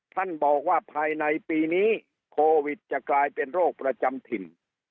ท่านบอกว่าภายในปีนี้โควิดจะกลายเป็นโรคประจำถิ่น